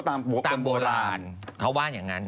ตามโบราณเขาว่าอย่างนั้น